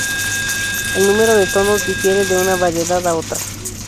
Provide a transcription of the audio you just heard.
El número de tonos difiere de una variedad a otra.